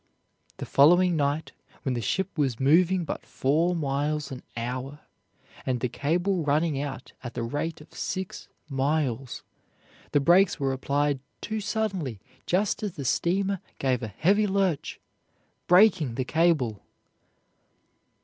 The following night, when the ship was moving but four miles an hour and the cable running out at the rate of six miles, the brakes were applied too suddenly just as the steamer gave a heavy lurch, breaking the cable.